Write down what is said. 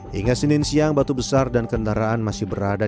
hingga senin siang batu besar dan kendaraan masih berada